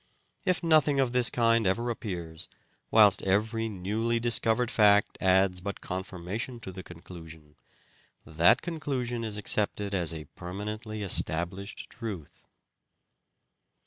If nothing of this kind ever appears, whilst every newly dis covered fact adds but confirmation to the conclusion, that conclusion is accepted as a permanently estab lished truth.